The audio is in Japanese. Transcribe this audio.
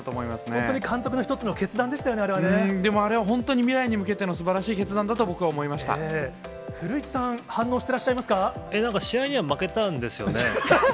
本当に監督の一つの決断でしでも、あれは本当に未来に向けてのすばらしい決断だったと僕は思いまし古市さん、反応してらっしゃなんか試合には負けたんですよね。